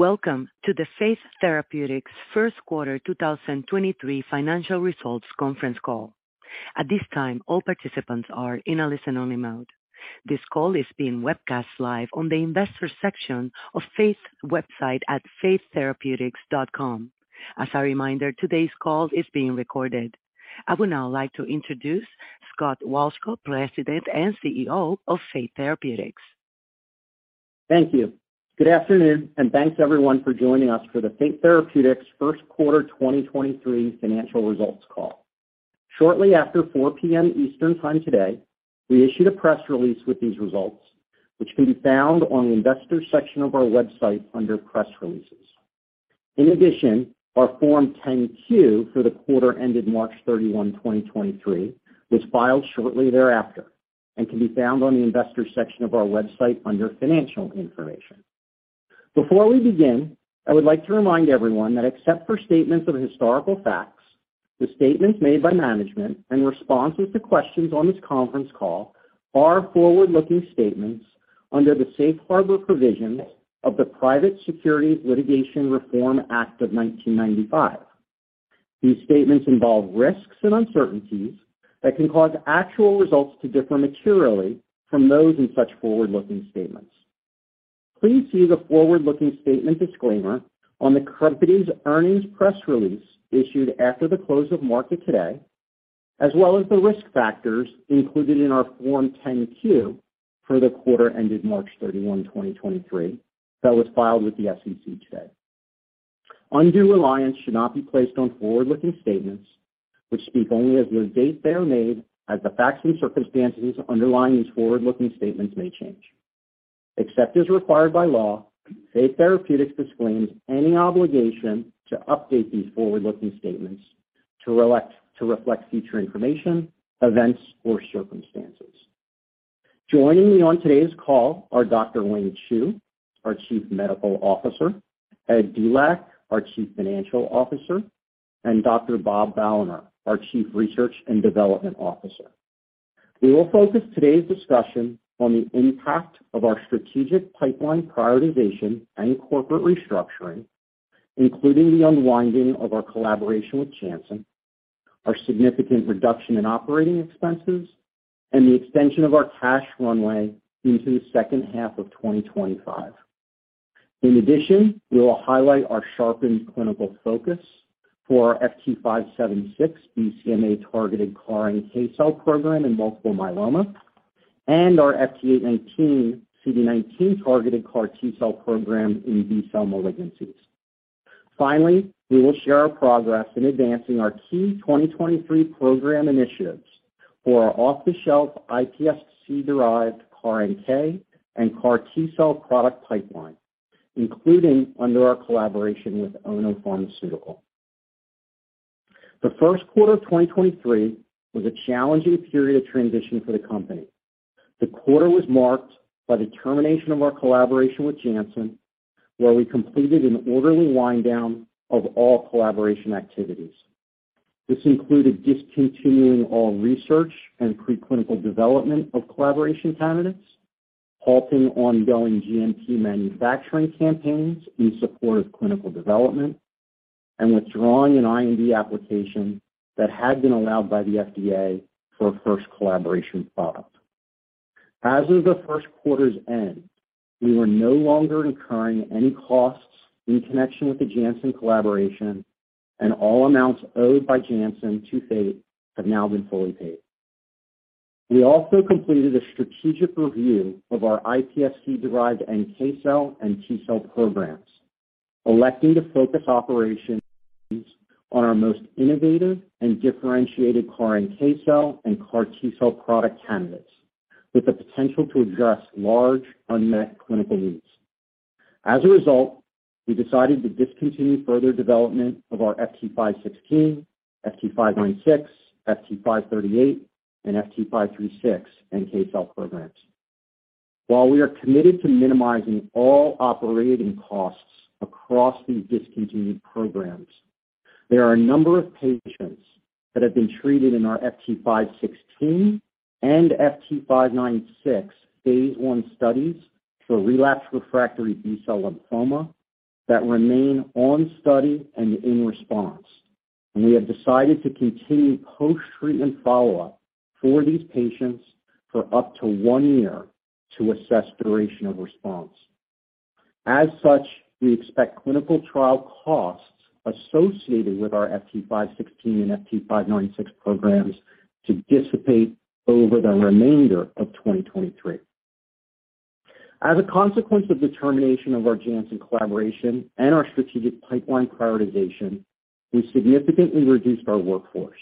Welcome to the Fate Therapeutics Q1 2023 financial results conference call. At this time, all participants are in a listen-only mode. This call is being webcast live on the Investors section of Fate's website at fatetherapeutics.com. As a reminder, today's call is being recorded. I would now like to introduce Scott Wolchko, President and CEO of Fate Therapeutics. Thank you. Good afternoon, thanks, everyone, for joining us for the Fate Therapeutics Q1 2023 financial results call. Shortly after 4:00 P.M. Eastern Time today, we issued a press release with these results, which can be found on the Investors section of our website under Press Releases. Our Form 10-Q for the quarter ended March 31 2023 was filed shortly thereafter and can be found on the Investors section of our website under Financial Information. Before we begin, I would like to remind everyone that except for statements of historical facts, the statements made by management and responses to questions on this conference call are forward-looking statements under the safe harbor provisions of the Private Securities Litigation Reform Act of 1995. These statements involve risks and uncertainties that can cause actual results to differ materially from those in such forward-looking statements. Please see the forward-looking statement disclaimer on the company's earnings press release issued after the close of market today, as well as the risk factors included in our Form 10-Q for the quarter ended March 31 2023 that was filed with the SEC today. Undue reliance should not be placed on forward-looking statements which speak only as of the date they are made as the facts and circumstances underlying these forward-looking statements may change. Except as required by law, Fate Therapeutics disclaims any obligation to update these forward-looking statements to reflect future information, events, or circumstances. Joining me on today's call are Dr. Wayne Chu, our Chief Medical Officer, Ed Dulac, our Chief Financial Officer, and Dr. Bob Valamehr, our Chief Research and Development Officer. We will focus today's discussion on the impact of our strategic pipeline prioritization and corporate restructuring, including the unwinding of our collaboration with Janssen, our significant reduction in operating expenses, and the extension of our cash runway into the second half of 2025. We will highlight our sharpened clinical focus for our FT576 BCMA-targeted CAR NK cell program in multiple myeloma and our FT819 CD19-targeted CAR T-cell program in B-cell malignancies. We will share our progress in advancing our key 2023 program initiatives for our off-the-shelf iPSC-derived CAR NK and CAR T-cell product pipeline, including under our collaboration with ONO Pharmaceutical. The Q1 of 2023 was a challenging period of transition for the company. The quarter was marked by the termination of our collaboration with Janssen, where we completed an orderly wind down of all collaboration activities. This included discontinuing all research and preclinical development of collaboration candidates, halting ongoing GMP manufacturing campaigns in support of clinical development, and withdrawing an IND application that had been allowed by the FDA for a first collaboration product. As of the 1st quarter's end, we were no longer incurring any costs in connection with the Janssen collaboration, and all amounts owed by Janssen to date have now been fully paid. We also completed a strategic review of our iPSC-derived NK cell and T-cell programs, electing to focus operations on our most innovative and differentiated CAR NK cell and CAR T-cell product candidates with the potential to address large unmet clinical needs. As a result, we decided to discontinue further development of our FT516, FT596, FT538, and FT536 NK cell programs. While we are committed to minimizing all operating costs across these discontinued programs, there are a number of patients that have been treated in our FT516 and FT596 phase I studies for relapsed refractory B-cell lymphoma that remain on study and in response, and we have decided to continue post-treatment follow-up for these patients for up to one year to assess duration of response. As such, we expect clinical trial costs associated with our FT516 and FT596 programs to dissipate over the remainder of 2023. As a consequence of the termination of our Janssen collaboration and our strategic pipeline prioritization, we significantly reduced our workforce.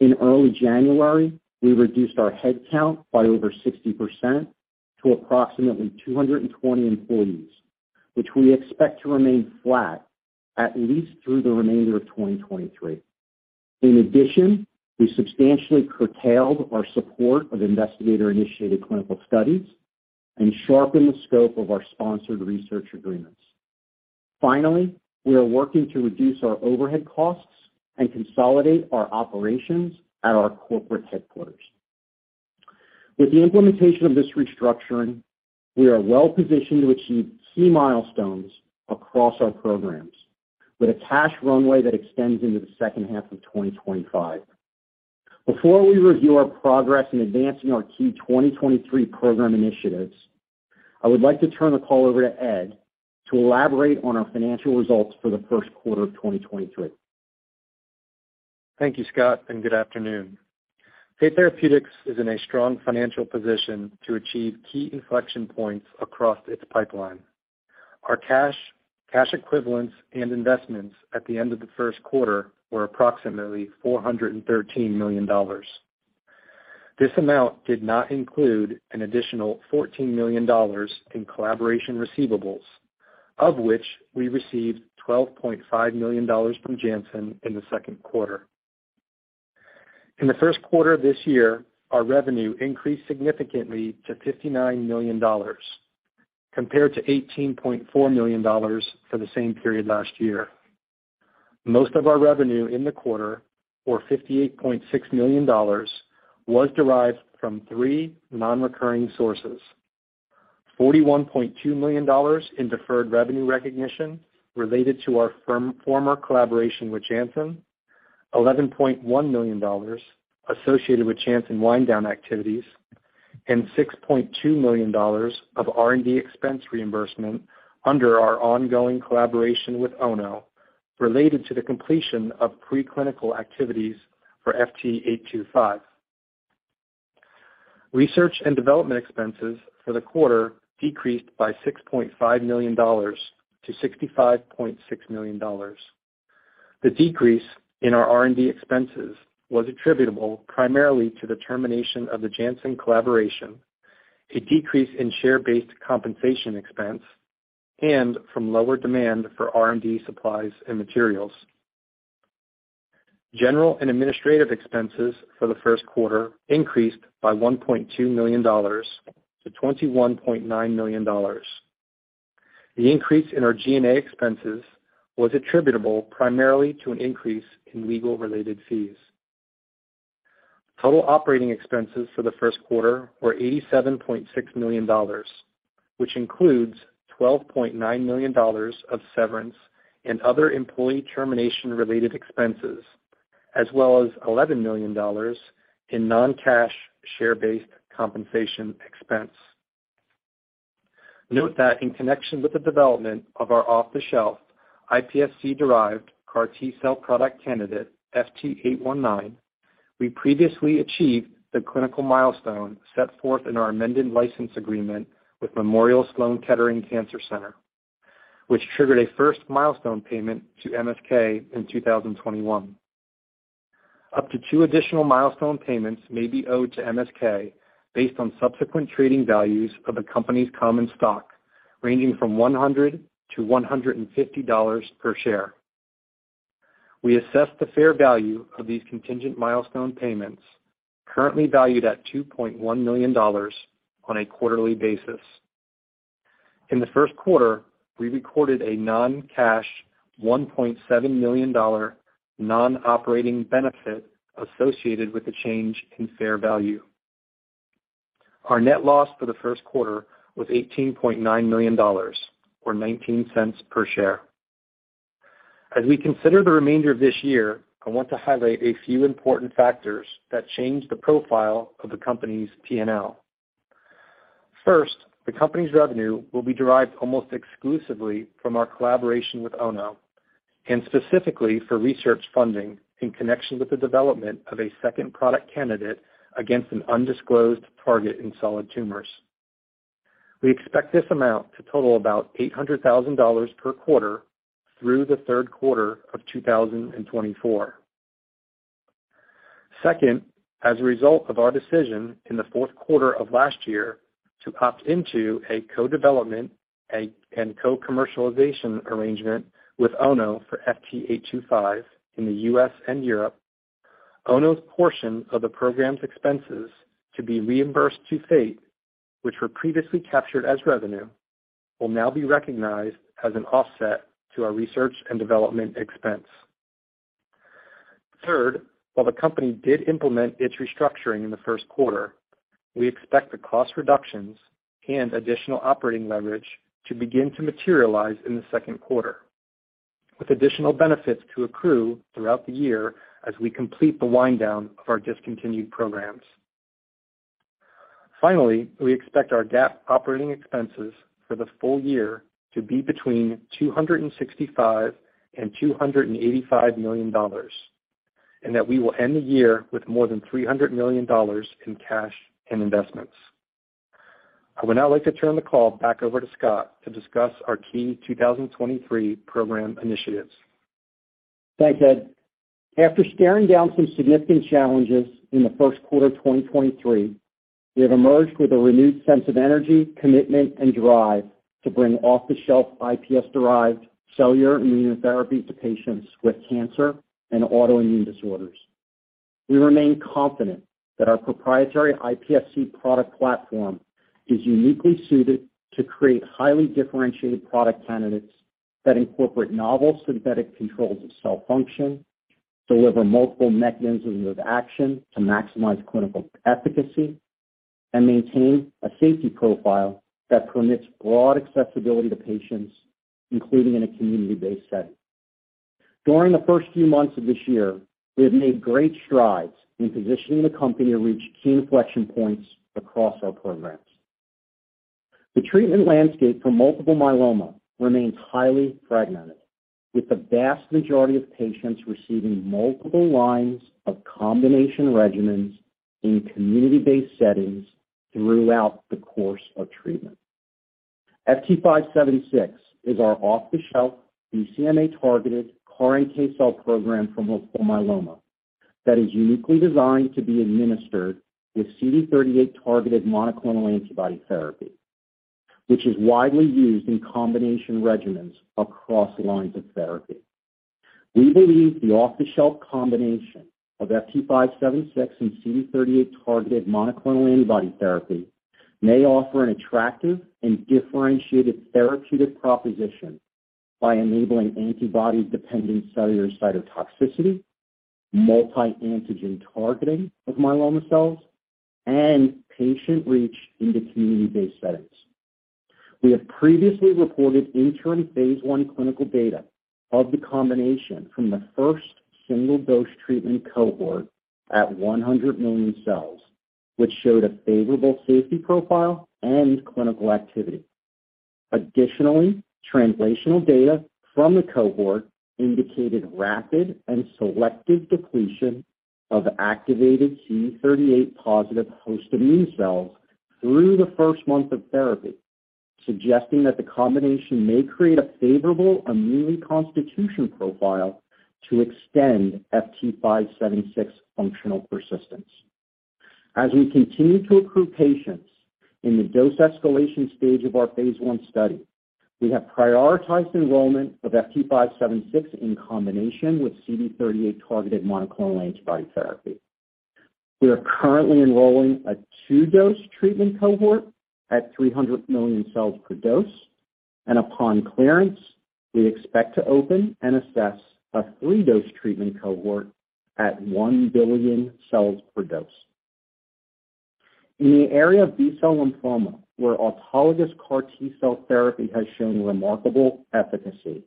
In early January, we reduced our headcount by over 60% to approximately 220 employees, which we expect to remain flat at least through the remainder of 2023. In addition, we substantially curtailed our support of investigator-initiated clinical studies and sharpened the scope of our sponsored research agreements. Finally, we are working to reduce our overhead costs and consolidate our operations at our corporate headquarters. With the implementation of this restructuring, we are well-positioned to achieve key milestones across our programs, with a cash runway that extends into the second half of 2025. Before we review our progress in advancing our key 2023 program initiatives, I would like to turn the call over to Ed to elaborate on our financial results for the Q1 of 2023. Thank you, Scott. Good afternoon. Fate Therapeutics is in a strong financial position to achieve key inflection points across its pipeline. Our cash equivalents, and investments at the end of the first quarter were approximately $413 million. This amount did not include an additional $14 million in collaboration receivables, of which we received $12.5 million from Janssen in the Q2. In the Q1 of this year, our revenue increased significantly to $59 million compared to $18.4 million for the same period last year. Most of our revenue in the quarter, or $58.6 million, was derived from three non-recurring sources. $41.2 million in deferred revenue recognition related to our former collaboration with Janssen, $11.1 million associated with Janssen wind down activities, and $6.2 million of R&D expense reimbursement under our ongoing collaboration with ONO related to the completion of preclinical activities for FT825. Research and development expenses for the quarter decreased by $6.5 million-$65.6 million. The decrease in our R&D expenses was attributable primarily to the termination of the Janssen collaboration, a decrease in share-based compensation expense, and from lower demand for R&D supplies and materials. General and administrative expenses for the Q1 increased by $1.2 million-$21.9 million. The increase in our G&A expenses was attributable primarily to an increase in legal-related fees. Total operating expenses for the Q1 were $87.6 million, which includes $12.9 million of severance and other employee termination-related expenses, as well as $11 million in non-cash share-based compensation expense. Note that in connection with the development of our off-the-shelf iPSC-derived CAR T-cell product candidate, FT819, we previously achieved the clinical milestone set forth in our amended license agreement with Memorial Sloan Kettering Cancer Center, which triggered a first milestone payment to MSK in 2021. Up to two additional milestone payments may be owed to MSK based on subsequent trading values of the company's common stock, ranging from $100-$150 per share. We assess the fair value of these contingent milestone payments, currently valued at $2.1 million, on a quarterly basis. In the Q1, we recorded a non-cash $1.7 million non-operating benefit associated with the change in fair value. Our net loss for the Q1 was $18.9 million, or $0.19 per share. As we consider the remainder of this year, I want to highlight a few important factors that change the profile of the company's P&L. First, the company's revenue will be derived almost exclusively from our collaboration with ONO, specifically for research funding in connection with the development of a second product candidate against an undisclosed target in solid tumors. We expect this amount to total about $800,000 per quarter through the Q3 of 2024. Second, as a result of our decision in the Q4 of last year to opt into a co-development and co-commercialization arrangement with ONO for FT825 in the U.S. and Europe, ONO's portion of the program's expenses to be reimbursed to Fate, which were previously captured as revenue, will now be recognized as an offset to our research and development expense. Third, while the company did implement its restructuring in the Q1, we expect the cost reductions and additional operating leverage to begin to materialize in the Q2, with additional benefits to accrue throughout the year as we complete the wind down of our discontinued programs. Finally, we expect our GAAP operating expenses for the full year to be between $265 million and $285 million, and that we will end the year with more than $300 million in cash and investments. I would now like to turn the call back over to Scott to discuss our key 2023 program initiatives. Thanks, Ed. After staring down some significant challenges in the Q1 of 2023, we have emerged with a renewed sense of energy, commitment, and drive to bring off-the-shelf iPSC-derived cellular immunotherapy to patients with cancer and autoimmune disorders. We remain confident that our proprietary iPSC product platform is uniquely suited to create highly differentiated product candidates that incorporate novel synthetic controls of cell function. Deliver multiple mechanisms of action to maximize clinical efficacy and maintain a safety profile that permits broad accessibility to patients, including in a community-based setting. During the first few months of this year, we have made great strides in positioning the company to reach key inflection points across our programs. The treatment landscape for multiple myeloma remains highly fragmented, with the vast majority of patients receiving multiple lines of combination regimens in community-based settings throughout the course of treatment. FT576 is our off-the-shelf BCMA-targeted CAR NK cell program for multiple myeloma that is uniquely designed to be administered with CD38 targeted monoclonal antibody therapy, which is widely used in combination regimens across lines of therapy. We believe the off-the-shelf combination of FT576 and CD38 targeted monoclonal antibody therapy may offer an attractive and differentiated therapeutic proposition by enabling antibody-dependent cellular cytotoxicity, multi-antigen targeting of myeloma cells, and patient reach into community-based settings. We have previously reported interim phase I clinical data of the combination from the first single-dose treatment cohort at 100,000,000 cells, which showed a favorable safety profile and clinical activity. Additionally, translational data from the cohort indicated rapid and selective depletion of activated CD38 positive post-immune cells through the first month of therapy, suggesting that the combination may create a favorable immune reconstitution profile to extend FT576 functional persistence. As we continue to accrue patients in the dose escalation stage of our phase I study, we have prioritized enrollment of FT576 in combination with CD38 targeted monoclonal antibody therapy. We are currently enrolling a two-dose treatment cohort at 300,000,000 cells per dose, and upon clearance, we expect to open and assess a three-dose treatment cohort at 1,000,000,000 cells per dose. In the area of B-cell lymphoma, where autologous CAR T-cell therapy has shown remarkable efficacy,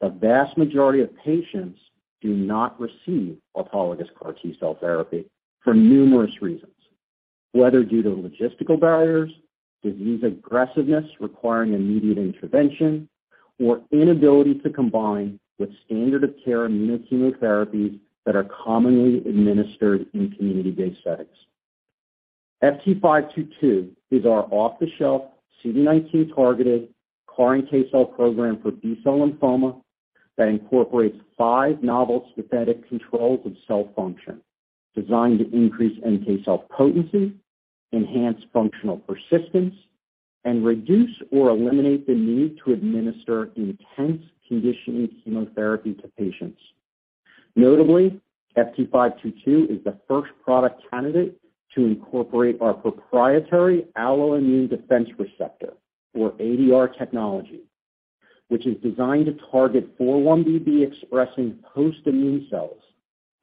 the vast majority of patients do not receive autologous CAR T-cell therapy for numerous reasons, whether due to logistical barriers, disease aggressiveness requiring immediate intervention, or inability to combine with standard of care immuno-chemotherapies that are commonly administered in community-based settings. FT522 is our off-the-shelf CD19 targeted CAR NK cell program for B-cell lymphoma that incorporates five novel synthetic controls of cell function designed to increase NK cell potency, enhance functional persistence, and reduce or eliminate the need to administer intense conditioning chemotherapy to patients. Notably, FT522 is the first product candidate to incorporate our proprietary alloimmune defense receptor, or ADR technology, which is designed to target 4-1BB expressing post-immune cells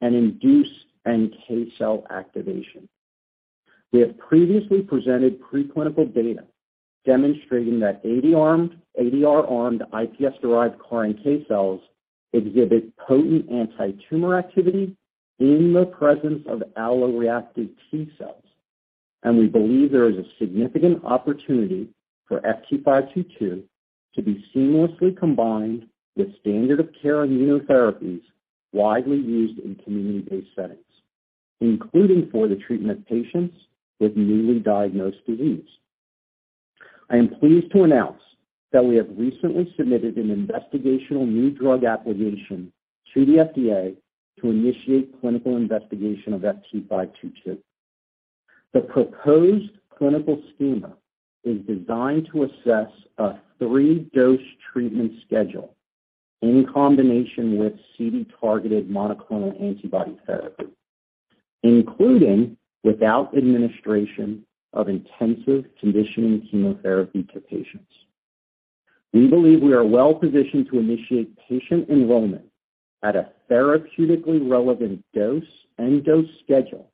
and induce NK cell activation. We have previously presented preclinical data demonstrating that ADR-armed iPSC-derived CAR NK cells exhibit potent antitumor activity in the presence of alloreactive T cells. We believe there is a significant opportunity for FT522 to be seamlessly combined with standard of care immunotherapies widely used in community-based settings, including for the treatment of patients with newly diagnosed disease. I am pleased to announce that we have recently submitted an investigational new drug application to the FDA to initiate clinical investigation of FT522. The proposed clinical schema is designed to assess a three-dose treatment schedule in combination with CD-targeted monoclonal antibody therapy, including without administration of intensive conditioning chemotherapy to patients. We believe we are well-positioned to initiate patient enrollment at a therapeutically relevant dose and dose schedule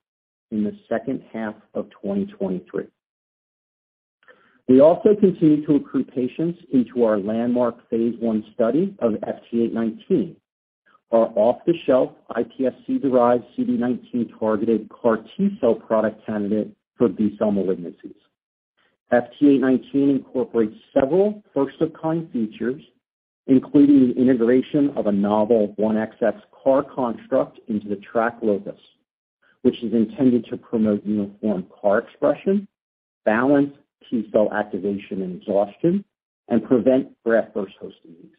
in the second half of 2023. We also continue to accrue patients into our landmark phase I study of FT819, our off-the-shelf iPSC-derived CD19-targeted CAR T-cell product candidate for B-cell malignancies. FT819 incorporates several first-of-kind features, including the integration of a novel 1XX CAR construct into the TRAC locus, which is intended to promote uniform CAR expression, balance T cell activation and exhaustion, and prevent graft versus host disease.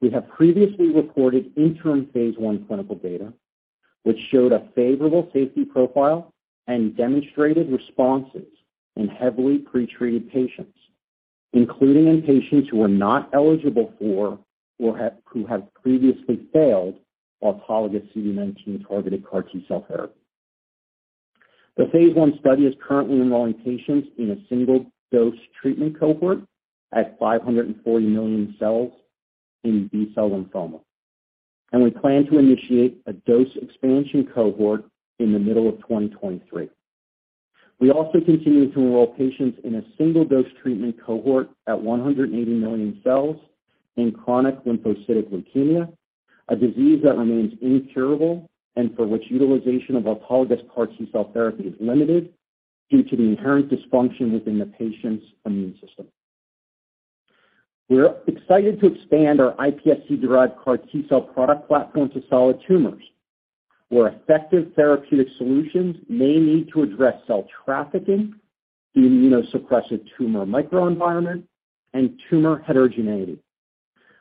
We have previously reported interim phase I clinical data which showed a favorable safety profile and demonstrated responses in heavily pretreated patients, including in patients who are not eligible for or who have previously failed autologous CD19 targeted CAR T-cell therapy. The phase I study is currently enrolling patients in a single dose treatment cohort at 540,000,000 cells in B-cell lymphoma, and we plan to initiate a dose expansion cohort in the middle of 2023. We also continue to enroll patients in a single dose treatment cohort at 180,000,000 cells in chronic lymphocytic leukemia, a disease that remains incurable and for which utilization of autologous CAR T-cell therapy is limited due to the inherent dysfunction within the patient's immune system. We're excited to expand our iPSC-derived CAR T-cell product platform to solid tumors where effective therapeutic solutions may need to address cell trafficking, the immunosuppressive tumor microenvironment, and tumor heterogeneity.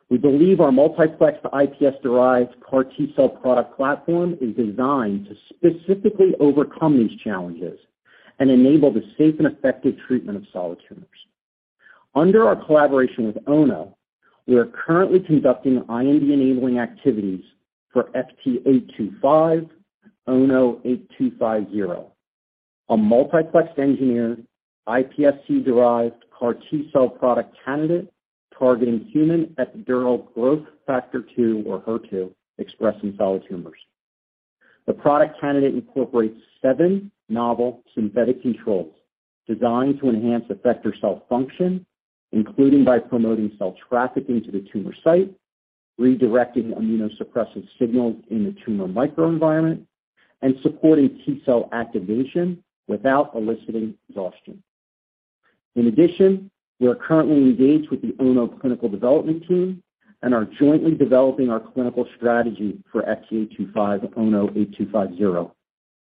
We believe our multiplex to iPSC-derived CAR T-cell product platform is designed to specifically overcome these challenges and enable the safe and effective treatment of solid tumors. Under our collaboration with ONO, we are currently conducting IND-enabling activities for FT825, ONO-8250, a multiplex-engineered iPSC-derived CAR T-cell product candidate targeting human epidermal growth factor 2, or HER2, expressed in solid tumors. The product candidate incorporates seven novel synthetic controls designed to enhance effector cell function, including by promoting cell trafficking to the tumor site, redirecting immunosuppressive signals in the tumor microenvironment, and supporting T-cell activation without eliciting exhaustion. In addition, we are currently engaged with the ONO clinical development team and are jointly developing our clinical strategy for FT825, ONO-8250.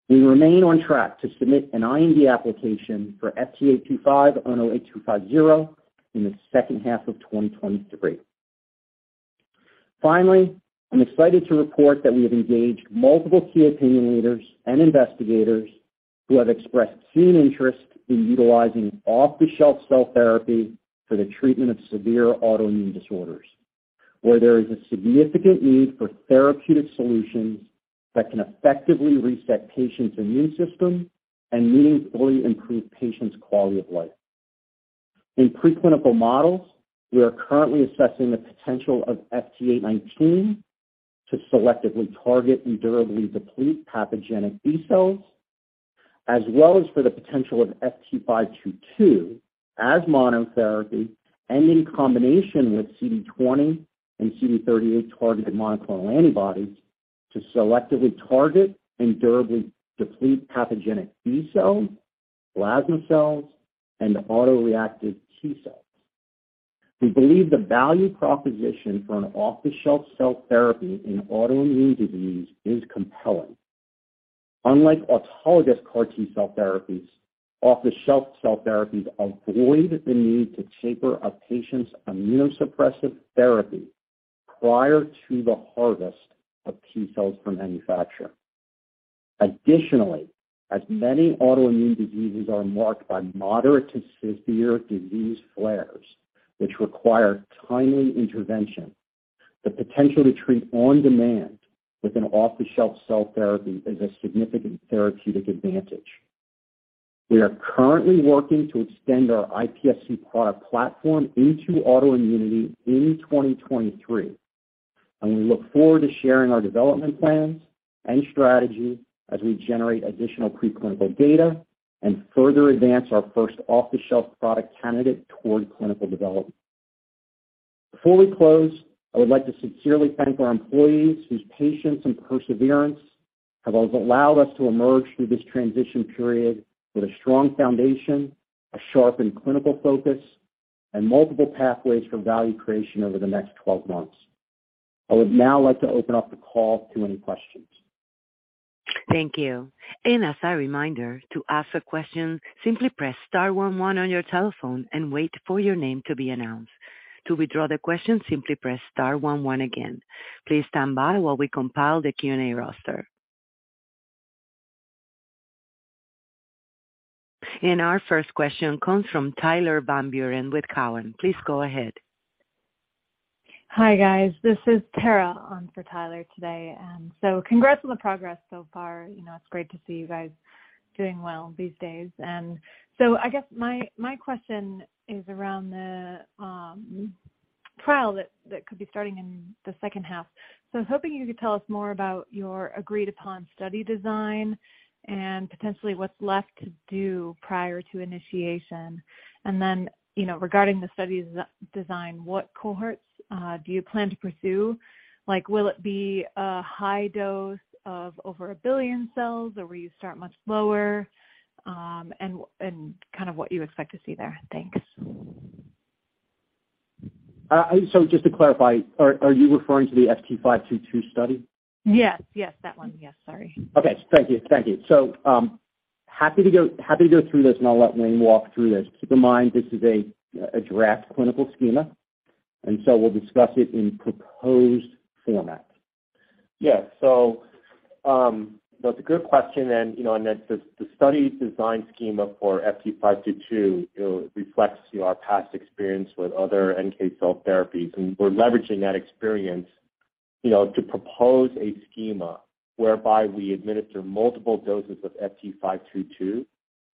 We remain on track to submit an IND application for FT825, ONO-8250 in the second half of 2023. Finally, I'm excited to report that we have engaged multiple key opinion leaders and investigators who have expressed keen interest in utilizing off-the-shelf cell therapy for the treatment of severe autoimmune disorders, where there is a significant need for therapeutic solutions that can effectively reset patients' immune system and meaningfully improve patients' quality of life. In preclinical models, we are currently assessing the potential of FT819 to selectively target and durably deplete pathogenic B-cells, as well as for the potential of FT522 as monotherapy and in combination with CD20 and CD38-targeted monoclonal antibodies to selectively target and durably deplete pathogenic B-cells, plasma cells, and autoreactive T-cells. We believe the value proposition for an off-the-shelf cell therapy in autoimmune disease is compelling. Unlike autologous CAR T-cell therapies, off-the-shelf cell therapies avoid the need to taper a patient's immunosuppressive therapy prior to the harvest of T-cells for manufacture. Additionally, as many autoimmune diseases are marked by moderate to severe disease flares which require timely intervention, the potential to treat on demand with an off-the-shelf cell therapy is a significant therapeutic advantage. We are currently working to extend our iPSC product platform into autoimmunity in 2023. We look forward to sharing our development plans and strategy as we generate additional preclinical data and further advance our first off-the-shelf product candidate toward clinical development. Before we close, I would like to sincerely thank our employees whose patience and perseverance have allowed us to emerge through this transition period with a strong foundation, a sharpened clinical focus, and multiple pathways for value creation over the next 12 months. I would now like to open up the call to any questions. Thank you. As a reminder, to ask a question, simply press star one one on your telephone and wait for your name to be announced. To withdraw the question, simply press star one one again. Please stand by while we compile the Q&A roster. Our first question comes from Tyler Van Buren with Cowen. Please go ahead. Hi, guys. This is Tara on for Tyler today. Congrats on the progress so far. You know, it's great to see you guys doing well these days. I guess my question is around the trial that could be starting in the second half. I was hoping you could tell us more about your agreed-upon study design and potentially what's left to do prior to initiation. You know, regarding the study's design, what cohorts do you plan to pursue? Like, will it be a high dose of over 1,000,000,000 cells, or will you start much lower? And kind of what you expect to see there. Thanks. Just to clarify, are you referring to the FT522 study? Yes. Yes, that one. Yes. Sorry. Okay. Thank you. Thank you. Happy to go through this, and I'll let Wayne walk through this. Keep in mind this is a draft clinical schema, and so we'll discuss it in proposed format. Yeah. No, it's a good question, and, you know, and the study design schema for FT522, you know, reflects, you know, our past experience with other NK cell therapies, and we're leveraging that experience. You know, to propose a schema whereby we administer multiple doses of FT522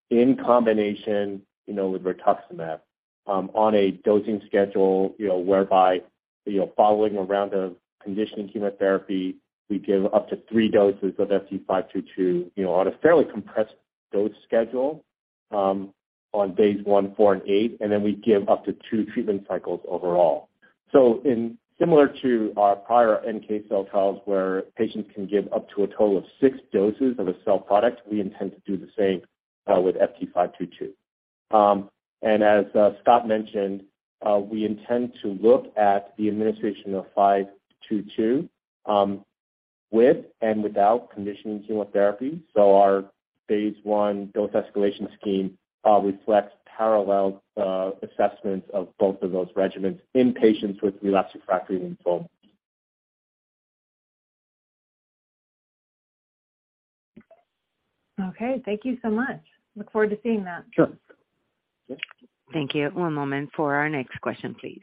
in combination, you know, with rituximab, on a dosing schedule, you know, whereby, you know, following a round of conditioning chemotherapy, we give up to three doses of FT522, you know, on a fairly compressed dose schedule, on days one, four, and eight, and then we give up to two treatment cycles overall. In similar to our prior NK cell trials where patients can give up to a total of six doses of a cell product, we intend to do the same, with FT522. As Scott mentioned, we intend to look at the administration of 522, with and without conditioning chemotherapy. Our phase I dose escalation scheme reflects parallel assessments of both of those regimens in patients with relapsed refractory lymphoma. Okay. Thank you so much. Look forward to seeing that. Sure. Thank you. One moment for our next question, please.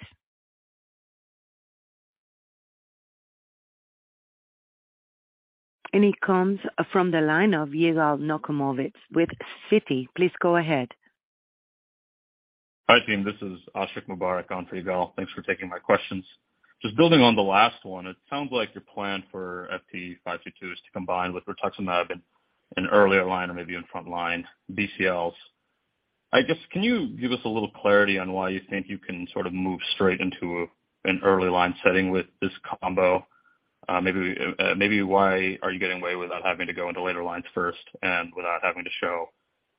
It comes from the line of Yigal Nochomovitz with Citi. Please go ahead. Hi, team. This is Ashik Mubarak on for Yigal. Thanks for taking my questions. Just building on the last one, it sounds like your plan for FT522 is to combine with rituximab in earlier line or maybe in front line BCLs. I guess, can you give us a little clarity on why you think you can sort of move straight into an early line setting with this combo? Maybe why are you getting away without having to go into later lines first and without having to show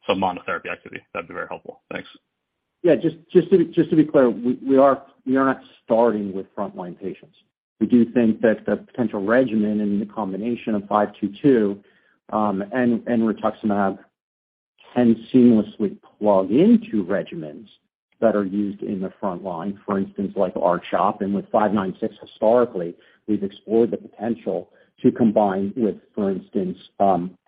some monotherapy activity? That'd be very helpful. Thanks. Yeah. Just to be clear, we are not starting with frontline patients. We do think that the potential regimen in the combination of 522 and rituximab can seamlessly plug into regimens that are used in the front line, for instance, like R-CHOP. With 596, historically, we've explored the potential to combine with, for instance,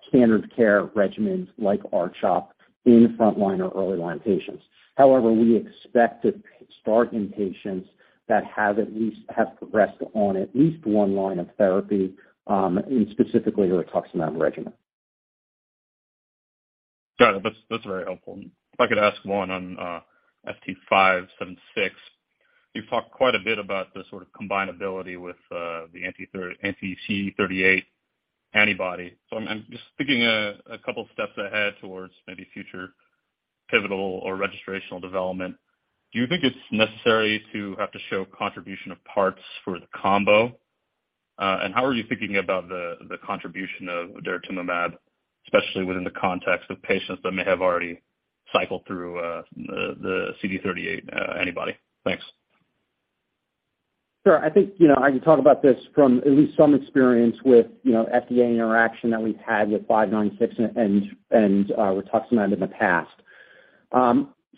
standard care regimens like R-CHOP in front line or early line patients. However, we expect to start in patients that have at least progressed on at least 1 line of therapy, in specifically rituximab regimen. Got it. That's very helpful. If I could ask one on FT576. You've talked quite a bit about the sort of combinability with the anti-CD38 antibody. I'm just thinking a couple steps ahead towards maybe future pivotal or registrational development. Do you think it's necessary to have to show contribution of parts for the combo? How are you thinking about the contribution of daratumumab, especially within the context of patients that may have already cycled through the CD38 antibody? Thanks. Sure. I think, you know, I can talk about this from at least some experience with, you know, FDA interaction that we've had with five nine six and, rituximab in the past.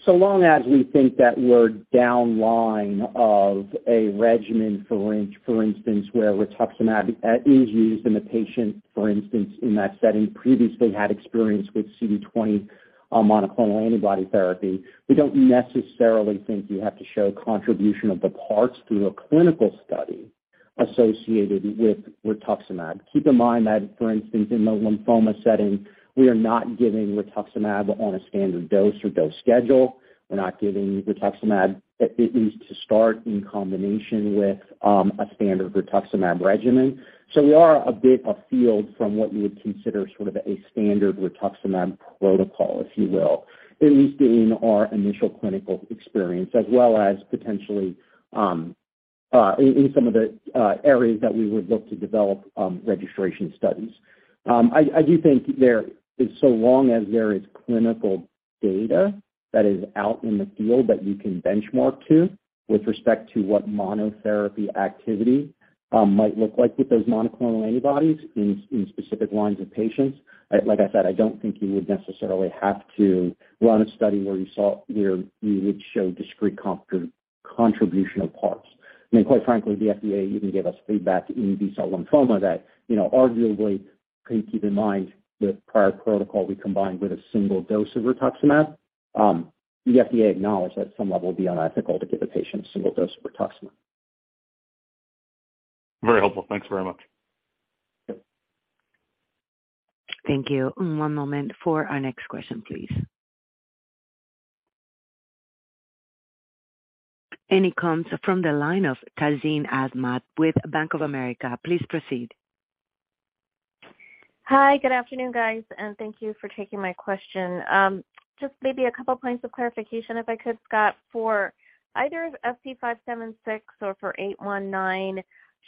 Long as we think that we're down line of a regimen, for instance, where rituximab is used in a patient, for instance, in that setting previously had experience with CD20 monoclonal antibody therapy, we don't necessarily think you have to show contribution of the parts through a clinical study associated with rituximab. Keep in mind that, for instance, in the lymphoma setting, we are not giving rituximab on a standard dose or dose schedule. We're not giving rituximab at least to start in combination with a standard rituximab regimen. We are a bit afield from what you would consider sort of a standard rituximab protocol, if you will, at least in our initial clinical experience, as well as potentially, in some of the areas that we would look to develop, registration studies. I do think there is so long as there is clinical data that is out in the field that you can benchmark to with respect to what monotherapy activity might look like with those monoclonal antibodies in specific lines of patients. Like I said, I don't think you would necessarily have to run a study where you would show discrete contribution of parts.I mean, quite frankly, the FDA even gave us feedback in B-cell lymphoma that, you know, arguably, please keep in mind the prior protocol we combined with a single dose of rituximab. The FDA acknowledged at some level it would be unethical to give a patient a single dose of rituximab. Very helpful. Thanks very much. Thank you. One moment for our next question, please. It comes from the line of Tazeen Ahmad with Bank of America. Please proceed. Hi. Good afternoon, guys, and thank you for taking my question. Just maybe a couple points of clarification, if I could, Scott. For either FT576 or for FT819,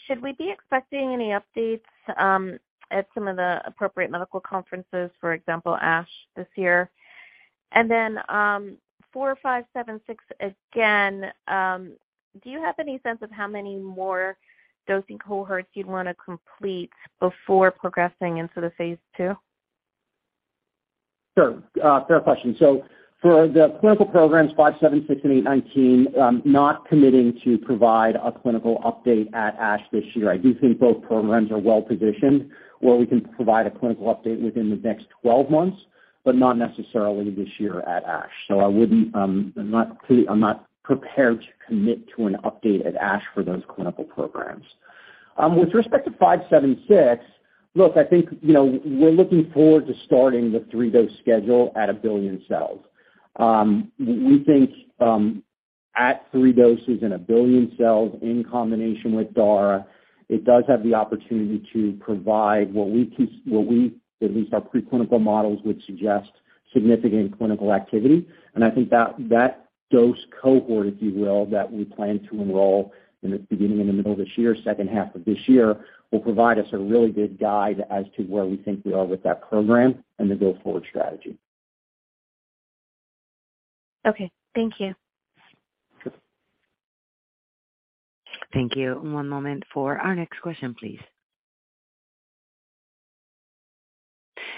should we be expecting any updates at some of the appropriate medical conferences, for example, ASH this year? For 576, again, do you have any sense of how many more dosing cohorts you'd wanna complete before progressing into the phase II? Sure, fair question. For the clinical programs, 576 and 819, not committing to provide a clinical update at ASH this year. I do think both programs are well-positioned where we can provide a clinical update within the next 12 months, but not necessarily this year at ASH. I wouldn't, I'm not prepared to commit to an update at ASH for those clinical programs. With respect to 576, look, I think, you know, we're looking forward to starting the three-dose schedule at 1,000,000,00 cells. we think, at three doses and 1,000,000,000 cells in combination with Dara, it does have the opportunity to provide what we, at least our preclinical models, would suggest significant clinical activity. I think that dose cohort, if you will, that we plan to enroll in the beginning, in the middle of this year, second half of this year, will provide us a really good guide as to where we think we are with that program and the go-forward strategy. Okay, thank you. Thank you. One moment for our next question, please.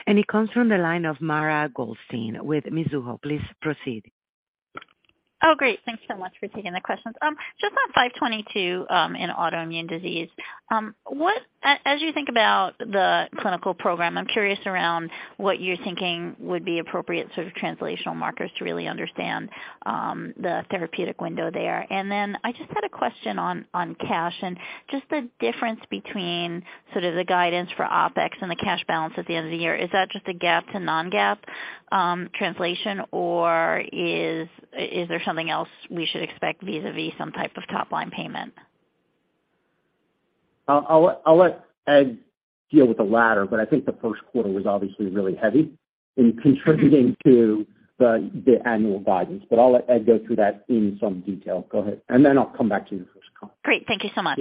It comes from the line of Mara Goldstein with Mizuho. Please proceed. Oh, great. Thanks so much for taking the questions. Just on 522, in autoimmune disease, what as you think about the clinical program, I'm curious around what you're thinking would be appropriate sort of translational markers to really understand, the therapeutic window there. I just had a question on cash and just the difference between sort of the guidance for OpEx and the cash balance at the end of the year. Is that just a GAAP to non-GAAP translation, or is there something else we should expect vis-a-vis some type of top-line payment? I'll let Ed deal with the latter. I think the first quarter was obviously really heavy in contributing to the annual guidance. I'll let Ed go through that in some detail. Go ahead. I'll come back to your first comment. Great. Thank you so much.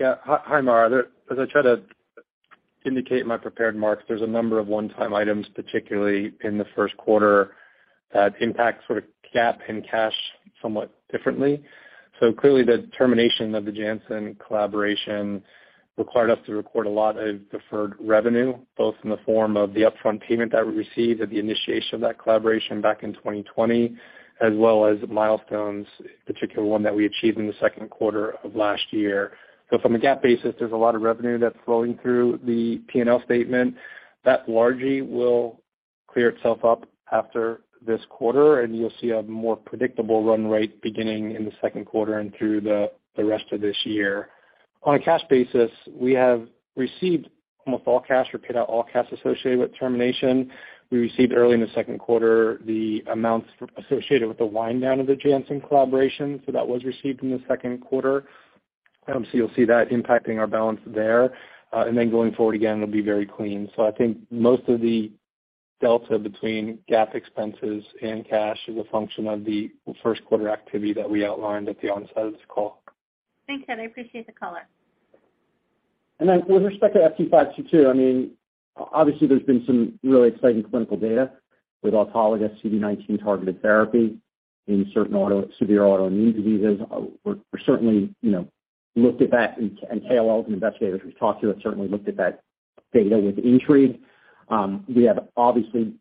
Yeah. Hi, Mara. As I try to indicate in my prepared remarks, there's a number of one-time items, particularly in the Q1, that impact sort of GAAP and cash somewhat differently. Clearly, the termination of the Janssen collaboration required us to record a lot of deferred revenue, both in the form of the upfront payment that we received at the initiation of that collaboration back in 2020, as well as milestones, particularly one that we achieved in the Q2 of last year. From a GAAP basis, there's a lot of revenue that's flowing through the P&L statement. That largely will clear itself up after this quarter, and you'll see a more predictable run rate beginning in the Q2 and through the rest of this year. On a cash basis, we have received almost all cash or paid out all cash associated with termination. We received early in the Q2 the amounts associated with the wind down of the Janssen collaboration. That was received in the second quarter. You'll see that impacting our balance there. Going forward, again, it'll be very clean. I think most of the delta between GAAP expenses and cash is a function of the Q1 activity that we outlined at the onset of this call. Thanks, Ed. I appreciate the color. With respect to FT522, I mean, obviously, there's been some really exciting clinical data with autologous CD19 targeted therapy in certain severe autoimmune diseases. We're certainly, you know, looked at that and KL investigators we've talked to have certainly looked at that data with intrigue. We have obviously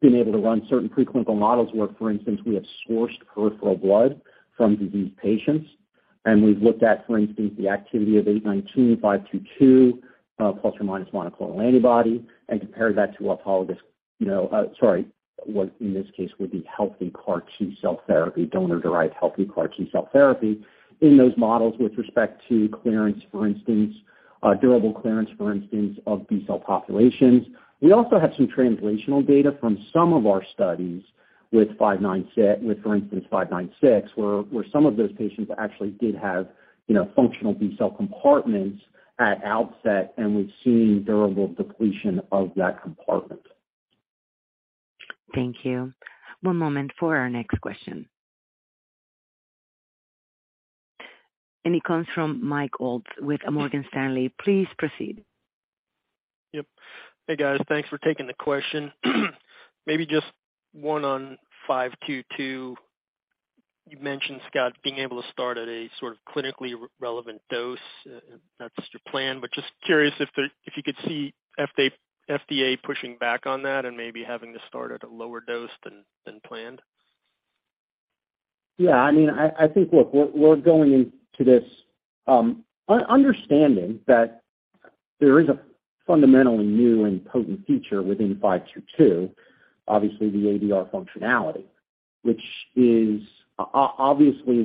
been able to run certain preclinical models where, for instance, we have sourced peripheral blood from diseased patients. We've looked at, for instance, the activity of 819, 522, ± monoclonal antibody, and compared that to autologous, you know, sorry, what in this case would be healthy CAR T-cell therapy, donor-derived healthy CAR T-cell therapy in those models with respect to clearance, for instance, durable clearance, for instance, of B-cell populations. We also have some translational data from some of our studies with, for instance, 596, where some of those patients actually did have, you know, functional B-cell compartments at outset, and we've seen durable depletion of that compartment. Thank you. One moment for our next question. It comes from Michael Ulz with Morgan Stanley. Please proceed. Yep. Hey, guys. Thanks for taking the question. Maybe just one on 522. You mentioned, Scott, being able to start at a sort of clinically relevant dose. That's just your plan, but just curious if you could see FDA pushing back on that and maybe having to start at a lower dose than planned. Yeah, I mean, I think, look, we're going into this, understanding that there is a fundamentally new and potent feature within 522, obviously the ADR functionality, which is obviously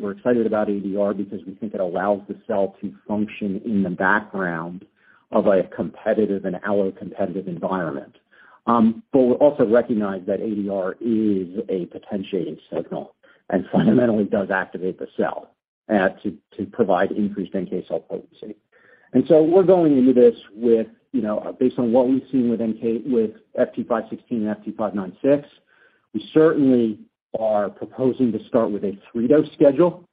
we're excited about ADR because we think it allows the cell to function in the background of a competitive and allo-competitive environment. We also recognize that ADR is a potentiated signal and fundamentally does activate the cell to provide increased NK cell potency. We're going into this with, you know, based on what we've seen with NK with FT516 and FT596. We certainly are proposing to start with a three-dose schedule.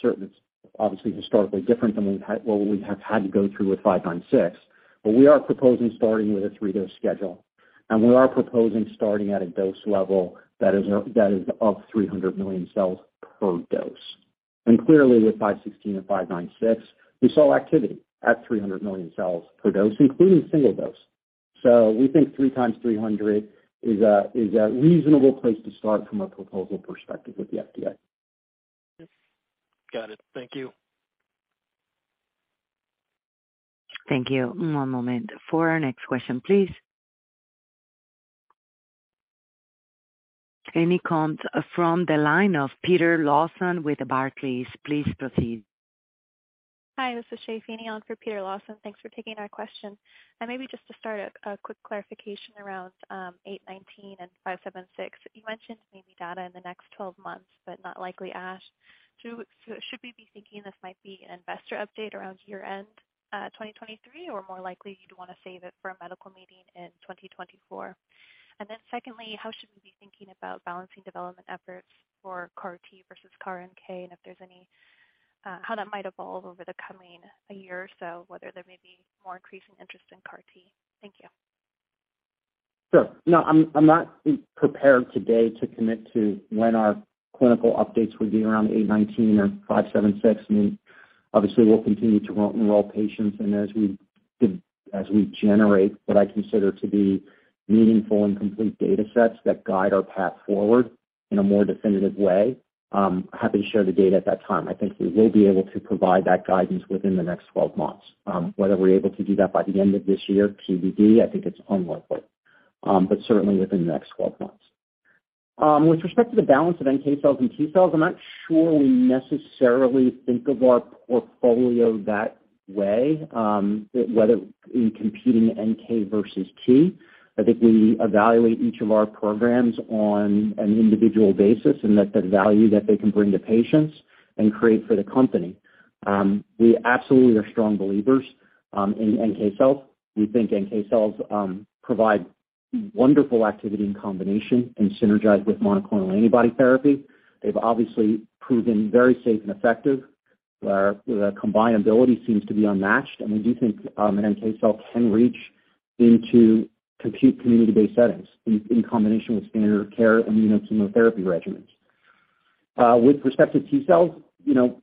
Certain it's obviously historically different than what we've had, what we have had to go through with 596. We are proposing starting with a three-dose schedule, and we are proposing starting at a dose level that is of 300,000,000 cells per dose. Clearly, with 516 and 596, we saw activity at 300,000,000 cells per dose, including single dose. We think three times 300 is a, is a reasonable place to start from a proposal perspective with the FDA. Got it. Thank you. Thank you. One moment for our next question, please. It comes from the line of Peter Lawson with Barclays. Please proceed. Hi, this is Shay Feeney on for Peter Lawson. Thanks for taking our question. Maybe just to start, a quick clarification around 819 and 576. You mentioned maybe data in the next 12 months, but not likely ASH. Should we be thinking this might be an investor update around year-end 2023? More likely you'd wanna save it for a medical meeting in 2024? Secondly, how should we be thinking about balancing development efforts for CAR T versus CAR NK? If there's any, how that might evolve over the coming year or so, whether there may be more increasing interest in CAR T? Thank you. Sure. No, I'm not prepared today to commit to when our clinical updates would be around 819 or 576. I mean, obviously we'll continue to enroll patients, and as we, as we generate what I consider to be meaningful and complete data sets that guide our path forward in a more definitive way, happy to share the data at that time. I think we will be able to provide that guidance within the next 12 months. Whether we're able to do that by the end of this year, PBD, I think it's unlikely, but certainly within the next 12 months. With respect to the balance of NK cells and T cells, I'm not sure we necessarily think of our portfolio that way, whether in competing NK versus T. I think we evaluate each of our programs on an individual basis, and that the value that they can bring to patients and create for the company. We absolutely are strong believers in NK cells. We think NK cells provide wonderful activity in combination and synergize with monoclonal antibody therapy. They've obviously proven very safe and effective, where the combinability seems to be unmatched. We do think an NK cell can reach into community-based settings in combination with standard of care immuno-chemotherapy regimens. With respect to T cells, you know,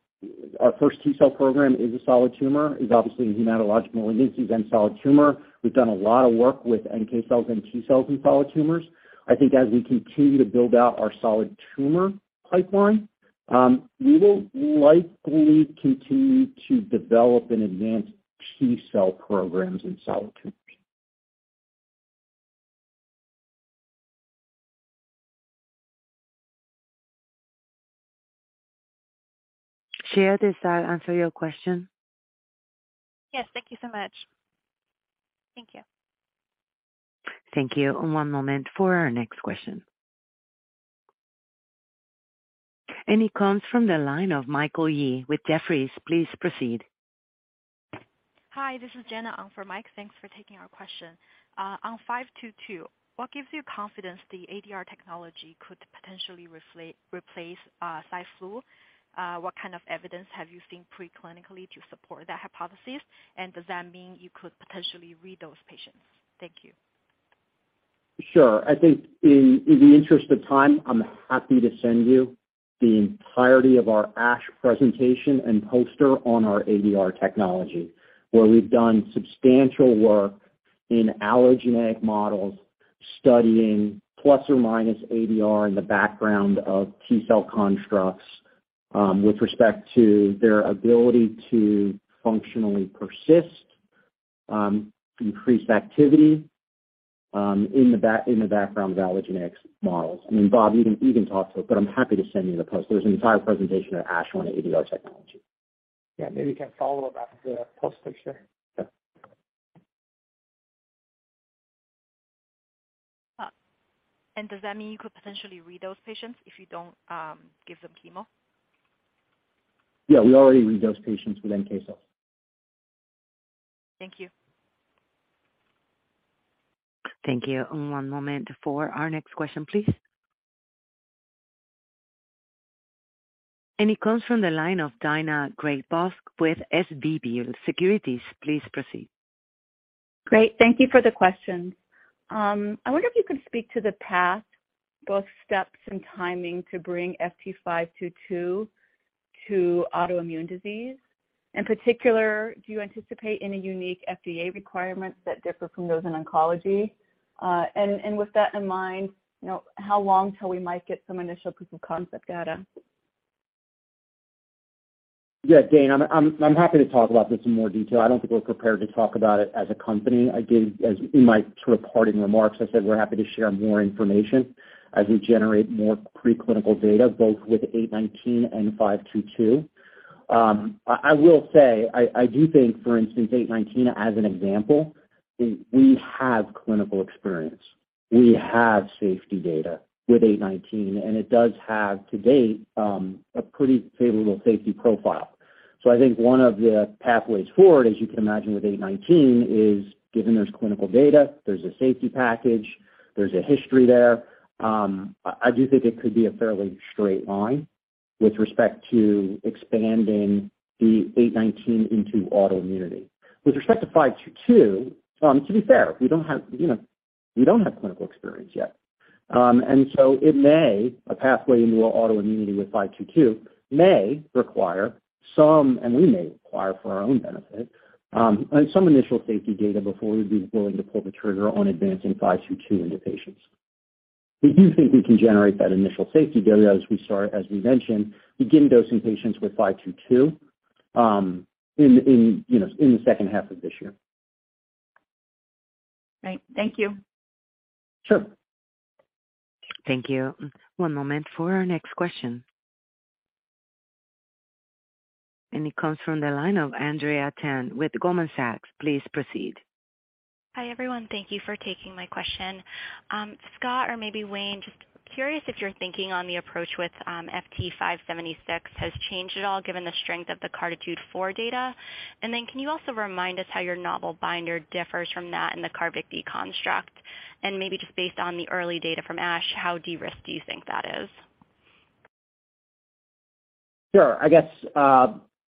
our first T cell program is obviously in hematological malignancies and solid tumor. We've done a lot of work with NK cells and T cells in solid tumors.I think as we continue to build out our solid tumor pipeline, we will likely continue to develop and advance T-cell programs in solid tumors. Shay, does that answer your question? Yes, thank you so much. Thank you. Thank you. One moment for our next question. It comes from the line of Michael Yee with Jefferies. Please proceed. Hi, this is Jenna on for Mike. Thanks for taking our question. On 522, what gives you confidence the ADR technology could potentially replace Cy/Flu? What kind of evidence have you seen pre-clinically to support that hypothesis? Does that mean you could potentially read those patients? Thank you. Sure. I think in the interest of time, I'm happy to send you the entirety of our ASH presentation and poster on our ADR technology, where we've done substantial work in allogeneic models studying plus or minus ADR in the background of T-cell constructs, with respect to their ability to functionally persist, increase activity, in the background of allogeneic models. I mean, Bob, you can talk to it, but I'm happy to send you the post. There's an entire presentation at ASH on ADR technology. Yeah, maybe we can follow up after the post this year. Yeah. Does that mean you could potentially read those patients if you don't give them chemo? Yeah, we already read those patients with NK cells. Thank you. Thank you. One moment for our next question, please. It comes from the line of Daina Graybosch with SVB Securities. Please proceed. Great. Thank you for the question. I wonder if you could speak to the path, both steps and timing, to bring FT522 to autoimmune disease. In particular, do you anticipate any unique FDA requirements that differ from those in oncology? With that in mind, you know, how long till we might get some initial proof of concept data? Daina, I'm happy to talk about this in more detail. I don't think we're prepared to talk about it as a company. I did, as in my sort of parting remarks, I said we're happy to share more information as we generate more pre-clinical data, both with 819 and 522. I will say I do think, for instance, 819 as an example, we have clinical experience. We have safety data with 819, and it does have to date a pretty favorable safety profile. I think one of the pathways forward, as you can imagine with 819, is given there's clinical data, there's a safety package, there's a history there, I do think it could be a fairly straight line with respect to expanding the 819 into autoimmunity. With respect to 522, to be fair, we don't have, you know, we don't have clinical experience yet. A pathway into autoimmunity with 522 may require some, and we may require for our own benefit, some initial safety data before we'd be willing to pull the trigger on advancing 5222 into patients. We do think we can generate that initial safety data as we mentioned, begin dosing patients with 522, in, you know, in the second half of this year. Right. Thank you. Sure. Thank you. One moment for our next question. It comes from the line of Andrea Tan with Goldman Sachs. Please proceed. Hi, everyone. Thank you for taking my question. Scott, or maybe Wayne, just curious if your thinking on the approach with FT576 has changed at all given the strength of the CARTITUDE-4 data. Can you also remind us how your novel binder differs from that in the CARVYKTI construct? Maybe just based on the early data from ASH, how de-risk do you think that is? Sure. I guess,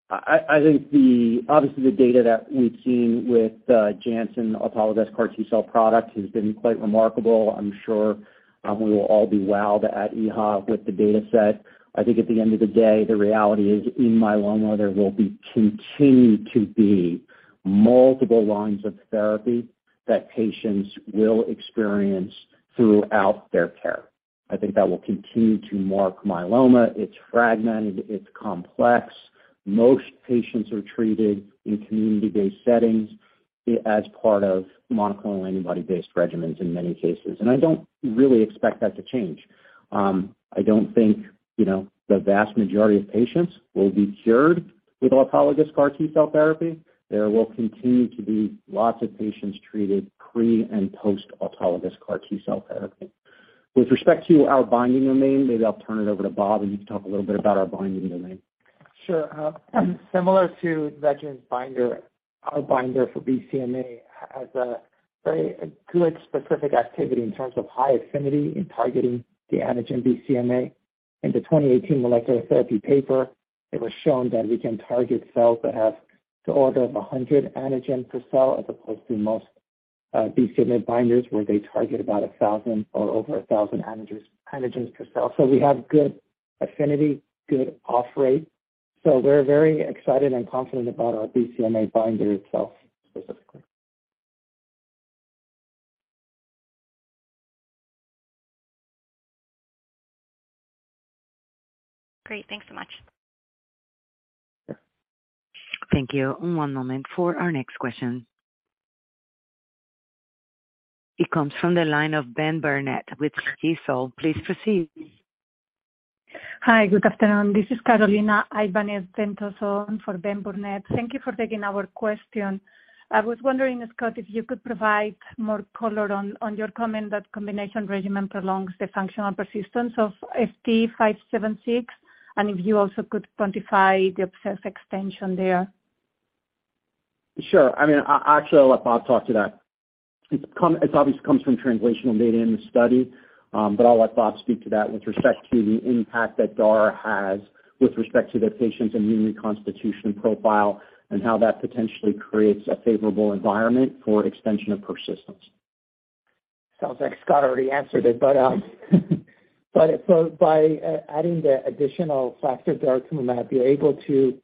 I think obviously the data that we've seen with Janssen autologous CAR T-cell product has been quite remarkable. I'm sure, we will all be wowed at EHA with the dataset. I think at the end of the day, the reality is in myeloma, there will be continue to be multiple lines of therapy that patients will experience throughout their care. I think that will continue to mark myeloma. It's fragmented, it's complex. Most patients are treated in community-based settings as part of monoclonal antibody-based regimens in many cases. I don't really expect that to change. I don't think, you know, the vast majority of patients will be cured with autologous CAR T-cell therapy. There will continue to be lots of patients treated pre and post autologous CAR T-cell therapy. With respect to our binding domain, maybe I'll turn it over to Bob, and you can talk a little bit about our binding domain. Sure. Similar to Regeneron binder, our binder for BCMA has a very good specific activity in terms of high affinity in targeting the antigen BCMA. In the 2018 Molecular Therapy paper, it was shown that we can target cells that have the order of 100 antigen per cell, as opposed to most BCMA binders, where they target about 1,000 or over 1,000 antigens per cell. We have good affinity, good off rate, so we're very excited and confident about our BCMA binder itself specifically. Great. Thanks so much. Thank you. One moment for our next question. It comes from the line of Ben Burnett with Stifel. Please proceed. Hi, good afternoon. This is Carolina Ibanez Ventoso for Ben Burnett. Thank you for taking our question. I was wondering, Scott, if you could provide more color on your comment that combination regimen prolongs the functional persistence of FT576, and if you also could quantify the observed extension there. Sure. I mean, actually I'll let Bob talk to that. It obviously comes from translational data in the study, but I'll let Bob speak to that with respect to the impact that Dara has with respect to the patient's immune reconstitution profile and how that potentially creates a favorable environment for extension of persistence. Sounds like Scott already answered it, but so by adding the additional factor, daratumumab, you're able to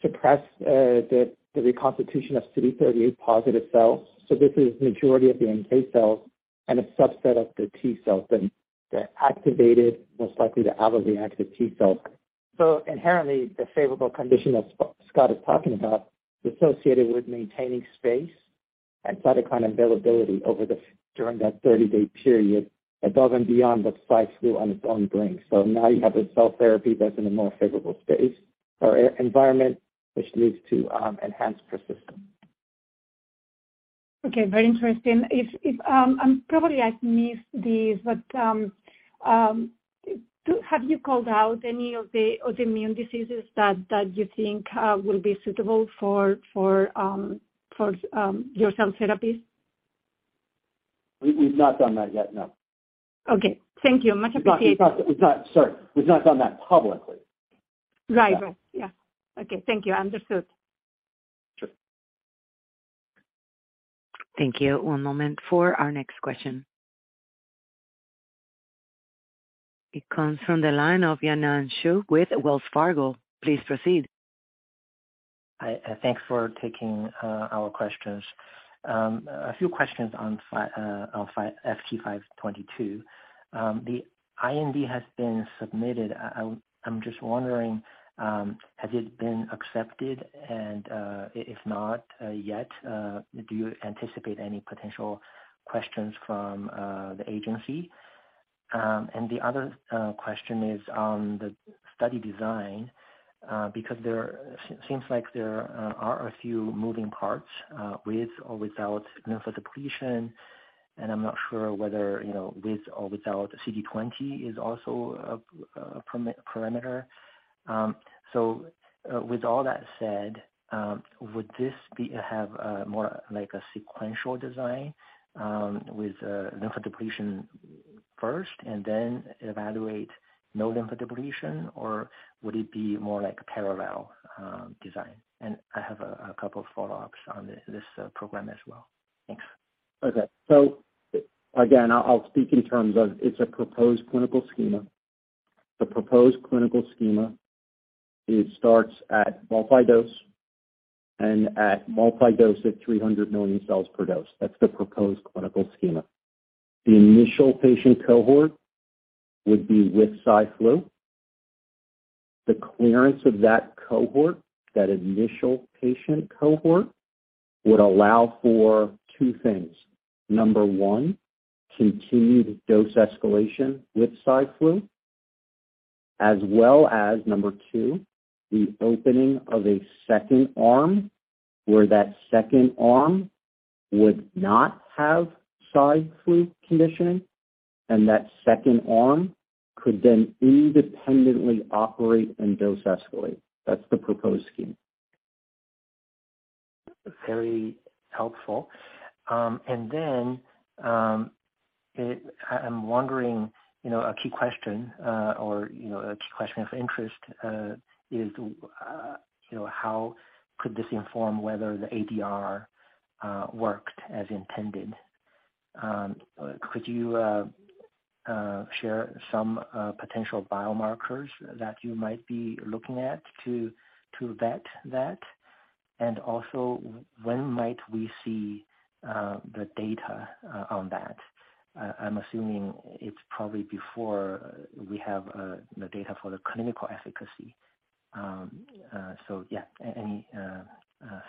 suppress the reconstitution of CD38 positive cells. This is majority of the NK cells and a subset of the T cells and the activated, most likely the alloreactive T cells. Inherently, the favorable condition that Scott is talking about is associated with maintaining space and cytokine availability over during that 30-day period above and beyond what Cy/Flu on its own brings. Now you have a cell therapy that's in a more favorable space or environment which leads to enhanced persistence. Okay, very interesting. If, probably I missed this, but, have you called out any of the autoimmune diseases that you think, will be suitable for your cell therapies? We've not done that yet, no. Okay. Thank you. Much appreciated. We've not. Sorry. We've not done that publicly. Right. Right. Yeah. Okay. Thank you. Understood. Sure. Thank you. One moment for our next question. It comes from the line of Yanan Zhu with Wells Fargo. Please proceed. Hi, thanks for taking our questions. A few questions on FT522. The IND has been submitted. I'm just wondering, has it been accepted? If not yet, do you anticipate any potential questions from the agency? The other question is on the study design, because there seems like there are a few moving parts with or without lymphodepletion, and I'm not sure whether, you know, with or without CD20 is also a parameter. With all that said, would this have a more like a sequential design with lymphodepletion first and then evaluate no lymphodepletion, or would it be more like a parallel design? I have a couple of follow-ups on this program as well. Thanks. Okay. Again, I'll speak in terms of it's a proposed clinical schema. The proposed clinical schema, it starts at multi-dose and at multi-dose at 300,000,000 cells per dose. That's the proposed clinical schema. The initial patient cohort would be with Cy/Flu. The clearance of that cohort, that initial patient cohort, would allow for two things. Number one, continued dose escalation with Cy/Flu, as well as Number two, the opening of a second arm, where that second arm would not have Cy/Flu conditioning, and that second arm could then independently operate and dose escalate. That's the proposed scheme. Very helpful. I'm wondering, you know, a key question, or, you know, a key question of interest, is, you know, how could this inform whether the ADR worked as intended? Could you share some potential biomarkers that you might be looking at to vet that? When might we see the data on that? I'm assuming it's probably before we have the data for the clinical efficacy. Any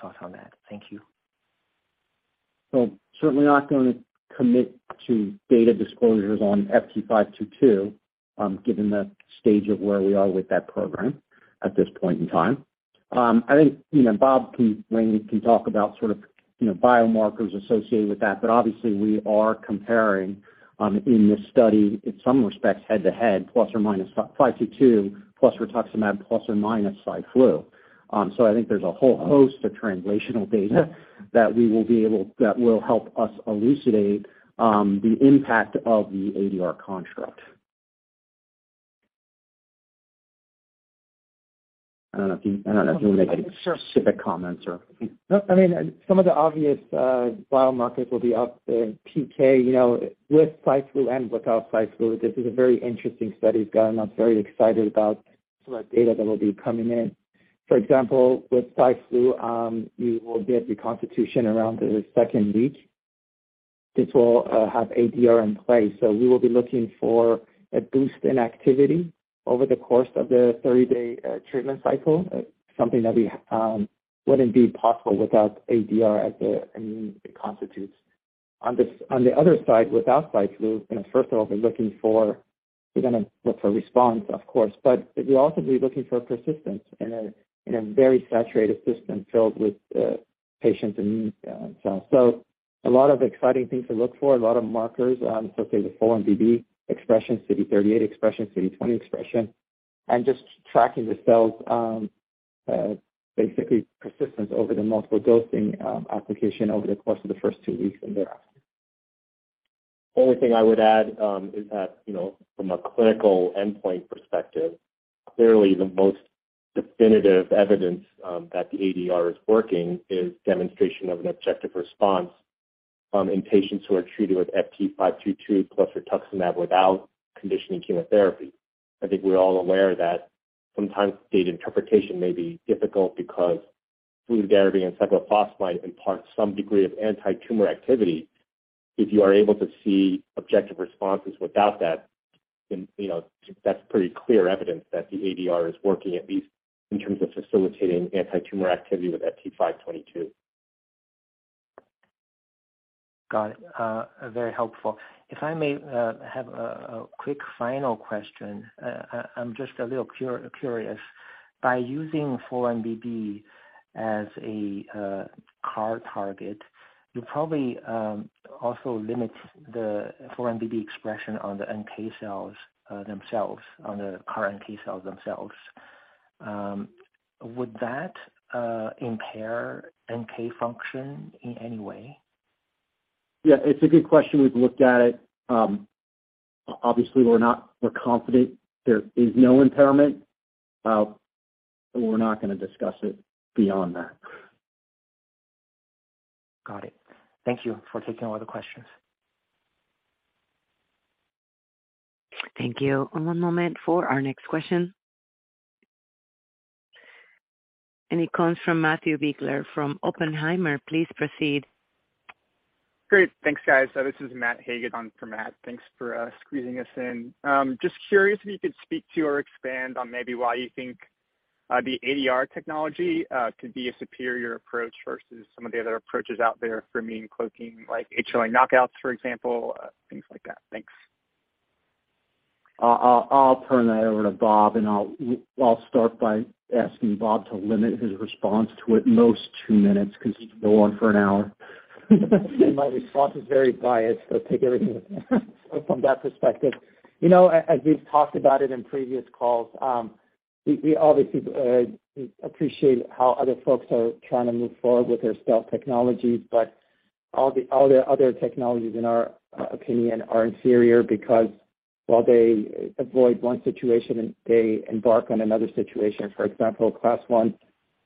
thoughts on that? Thank you. Certainly not gonna commit to data disclosures on FT522, given the stage of where we are with that program at this point in time. I think, you know, Bob can talk about sort of, you know, biomarkers associated with that. Obviously we are comparing, in this study, in some respects head-to-head, plus or minus 522, plus rituximab, plus or minus Cy/Flu. I think there's a whole host of translational data that will help us elucidate the impact of the ADR construct. I don't know if you, I don't know if you wanna make any specific comments or. No, I mean, some of the obvious biomarkers will be up in PK, you know, with Cy/Flu and without Cy/Flu. This is a very interesting study going on. I'm very excited about the data that will be coming in. For example, with Cy/Flu, you will get reconstitution around the second week. This will have ADR in place. We will be looking for a boost in activity over the course of the 30-day treatment cycle, something that we wouldn't be possible without ADR as a immune reconstitute. On the other side, without Cy/Flu, you know, first of all, we're looking for, we're gonna look for response, of course, but we'll also be looking for persistence in a, in a very saturated system filled with patients' immune cells.A lot of exciting things to look for, a lot of markers, associated with 4-1BB expression, CD38 expression, CD20 expression, and just tracking the cells, basically persistence over the multiple dosing, application over the course of the first two weeks and thereafter. Only thing I would add, is that, you know, from a clinical endpoint perspective, clearly the most definitive evidence, that the ADR is working is demonstration of an objective response, in patients who are treated with FT522 plus rituximab without conditioning chemotherapy. I think we're all aware that sometimes data interpretation may be difficult because fludarabine and cyclophosphamide impart some degree of antitumor activity. If you are able to see objective responses without that, then, you know, that's pretty clear evidence that the ADR is working, at least in terms of facilitating antitumor activity with FT522. Got it. very helpful. If I may, have a quick final question. I'm just a little curious. By using 4-1BB as a CAR target, you probably also limit the 4-1BB expression on the CAR NK cells themselves. Would that impair NK function in any way? Yeah, it's a good question. We've looked at it. obviously we're confident there is no impairment. we're not gonna discuss it beyond that. Got it. Thank you for taking all the questions. Thank you. One moment for our next question. It comes from Matthew Biegler from Oppenheimer. Please proceed. Great. Thanks, guys. This is Matt Hagen on for Matt. Thanks for squeezing us in. Just curious if you could speak to or expand on maybe why you think the ADR technology could be a superior approach versus some of the other approaches out there for mean cloaking, like HLA knockouts, for example, things like that. Thanks. I'll turn that over to Bob, and I'll start by asking Bob to limit his response to at most two minutes because he can go on for an hour. My response is very biased, so take everything with a grain of perspective. You know, as we've talked about it in previous calls, we obviously appreciate how other folks are trying to move forward with their cell technologies. All the, all the other technologies, in our opinion, are inferior because while they avoid one situation, they embark on another situation. For example, HLA class I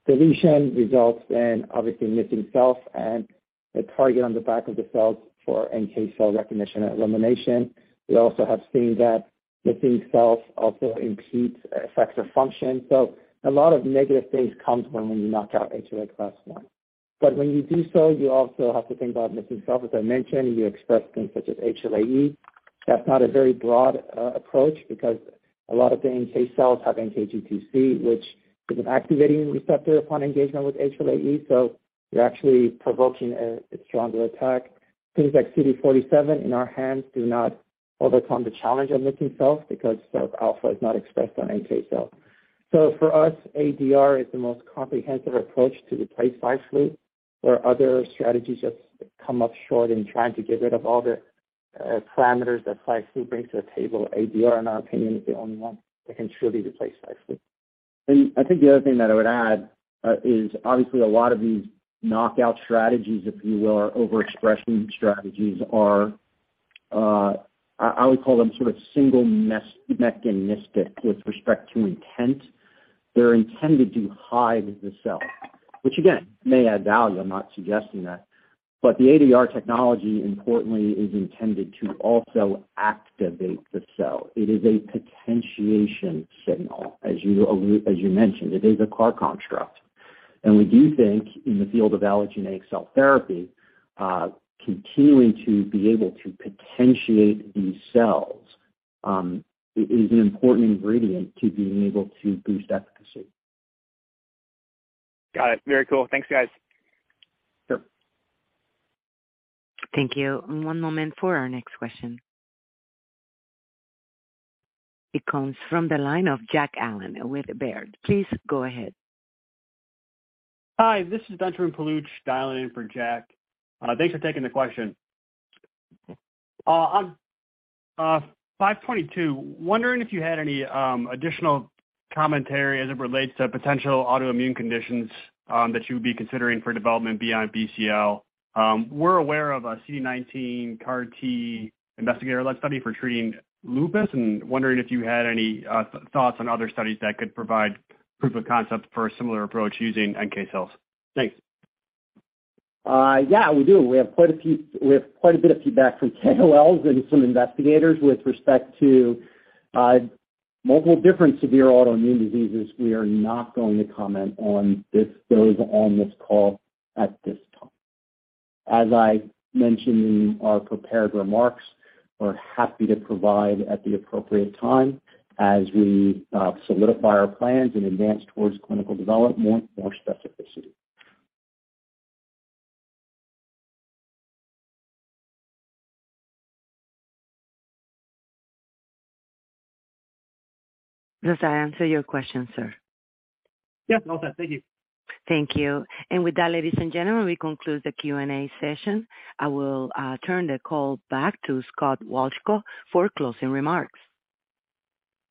deletion results in obviously missing self and a target on the back of the cells for NK cell recognition elimination. We also have seen that missing self also impedes effector function. A lot of negative things comes when we knock out HLA class I. When you do so, you also have to think about missing self. As I mentioned, you express things such as HLA-E. That's not a very broad approach because a lot of the NK cells have NKG2C, which is an activating receptor upon engagement with HLA-E. You're actually provoking a stronger attack. Things like CD47 in our hands do not overcome the challenge of missing self because SIRPα is not expressed on NK cell. For us, ADR is the most comprehensive approach to replace 5-FU. There are other strategies that's come up short in trying to get rid of all the parameters that 5-FU brings to the table. ADR, in our opinion, is the only one that can truly replace 5-FU. I think the other thing that I would add, is obviously a lot of these knockout strategies, if you will, are overexpressing strategies are, I would call them sort of single mechanistic with respect to intent. They're intended to hide the cell, which again, may add value, I'm not suggesting that. The ADR technology importantly is intended to also activate the cell. It is a potentiation signal, as you mentioned. It is a CAR construct. We do think in the field of allogeneic cell therapy, continuing to be able to potentiate these cells, is an important ingredient to being able to boost efficacy. Got it. Very cool. Thanks, guys. Sure. Thank you. One moment for our next question. It comes from the line of Jack Allen with Baird. Please go ahead. Hi, this is Benjamin Paluch dialing in for Jack. Thanks for taking the question. On 522, wondering if you had any additional commentary as it relates to potential autoimmune conditions that you would be considering for development beyond BCL? We're aware of a CD19 CAR T investigator led study for treating lupus, and wondering if you had any thoughts on other studies that could provide proof of concept for a similar approach using NK cells? Thanks. Yeah, we do. We have quite a bit of feedback from KOLs and some investigators with respect to multiple different severe autoimmune diseases. We are not going to comment on this, those on this call at this time. As I mentioned in our prepared remarks, we're happy to provide at the appropriate time as we solidify our plans and advance towards clinical development, more specificity. Does that answer your question, sir? Yeah, all done. Thank you. Thank you. With that, ladies and gentlemen, we conclude the Q&A session. I will turn the call back to Scott Wolchko for closing remarks.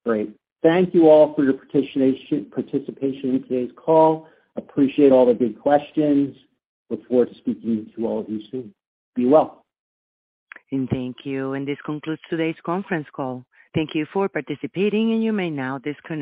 Great. Thank you all for your participation in today's call. Appreciate all the good questions. Look forward to speaking to all of you soon. Be well. Thank you. This concludes today's conference call. Thank you for participating, and you may now disconnect.